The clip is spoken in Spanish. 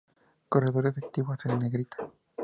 Corredores activos en negrita.